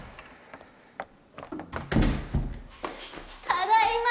・・ただいま！